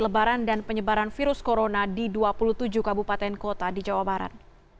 lebaran dan penyebaran virus corona di dua puluh tujuh kabupaten kota di jawa barat